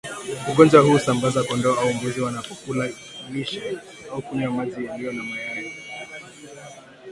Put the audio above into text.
Ugonjwa huu husambazwa kondoo au mbuzi wanapokula lishe au kunywa maji yaliyo na mayai